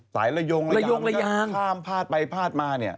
สายระยงระยางมันก็ข้ามพลาดไปพลาดมานี่